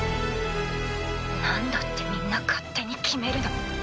なんだってみんな勝手に決めるの？